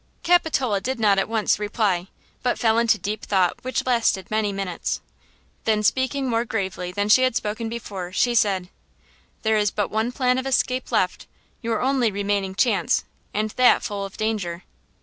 Capitola did not at once reply, but fell into deep thought which lasted many minutes. Then, speaking more gravely than she had spoken before, she said: "There is but one plan of escape left, your only remaining chance, and that full of danger!"